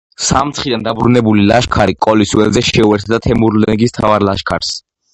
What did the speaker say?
სამცხიდან დაბრუნებული ლაშქარი კოლის ველზე შეუერთდა თემურლენგის მთავარ ლაშქარს.